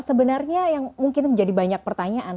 sebenarnya yang mungkin menjadi banyak pertanyaan